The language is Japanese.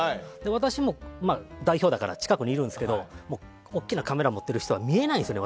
私も代表だから近くにいるんですけど大きなカメラが持ってる人は見えないんですよね